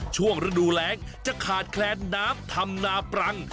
ช่วงฤดูแรงจะขาดแคลนน้ำทำนาปรัง